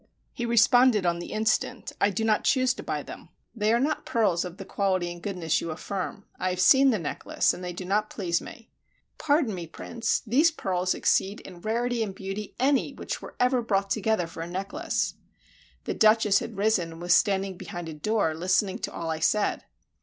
He responded on the instant, "I do not choose to buy them; they are not pearls of the quality and goodness you affirm; I have seen the necklace, and they do not please me." Then I added, "Pardon me, Prince! These pearls exceed in rarity and beauty any which were ever brought together for a necklace." The Duchess had risen, and was standing behind a door listening to all I said.